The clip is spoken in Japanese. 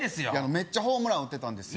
メッチャホームラン打ってたんですよ